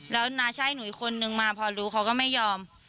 แล้วน้าใช่หนูอีกคนนึงมาพอรู้เขาก็ไม่ยอม